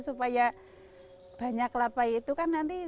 supaya banyak kelapa itu kan nanti